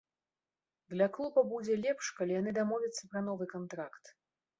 Для клуба будзе лепш, калі яны дамовяцца пра новы кантракт.